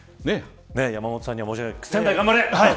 山本さんには申し訳ないけど仙台頑張れ。